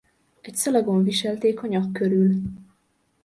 Egy szalagon viselték a nyak körül.